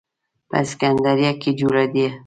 په سکندریه کې جوړېده.